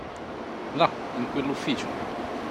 Là, in quell'ufficio.